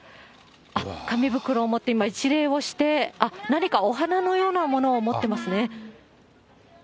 あっ、紙袋を持って今、一礼をして、何かお花のようなものを持ってますね。